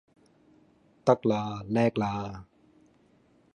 得啦叻啦